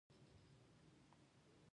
د مالګې استعمال اعتدال غواړي.